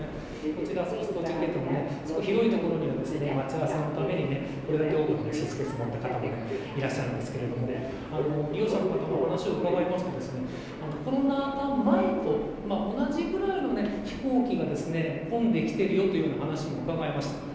こちら少し到着ゲートの広い所には待ち合わせのためにこれだけ多くののスーツケースを持った方もいらっしゃるんですけど利用者の方のお話を伺うとコロナ禍前と同じぐらいの飛行機が飛んできてるよという話も伺いました。